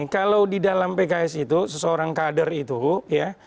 kalau di dalam pks itu seseorang kader itu ya